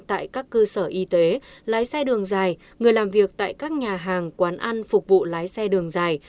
tại các cơ sở y tế lái xe đường dài người làm việc tại các nhà hàng quán ăn phục vụ lái xe đường dài